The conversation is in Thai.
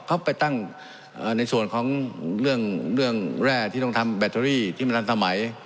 เขาไปตั้งในส่วนของเรื่องแร่ที่ต้องทำแบตเตอรี่ที่มันทันสมัย